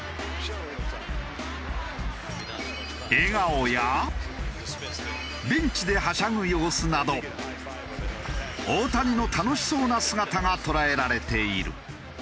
笑顔やベンチではしゃぐ様子など大谷の楽しそうな姿が捉えられている。